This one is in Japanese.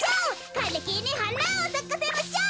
かれきにはなをさかせましょう！」。